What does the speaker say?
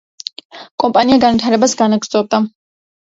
კომპანია განვითარებას განაგრძობდა.